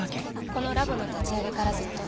このラボの立ち上げからずっと。